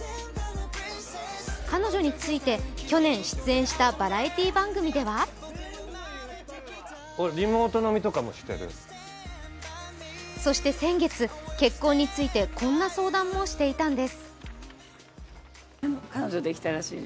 彼女について、去年出演したバラエティー番組ではそして先月、結婚について、こんな相談もしていたんです。